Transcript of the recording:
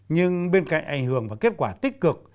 nhưng bên cạnh ảnh hưởng và kết quả tích cực